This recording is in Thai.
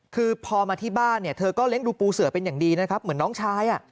คือพอมาที่บ้านเนี่ยเธอก็เลี้ยงดูปูเสือเป็นอย่างดีนะครับเหมือนน้องชาย